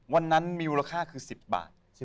วันนั้นมีมูลค่าคือ๑๐บาท